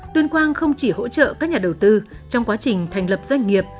tuyên quang không chỉ hỗ trợ các nhà đầu tư trong quá trình thành lập doanh nghiệp